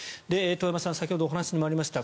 遠山さん先ほどお話にもありました